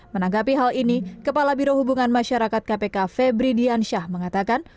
menanggapi hal ini kepala biro hubungan masyarakat kpk febri diansyah mengatakan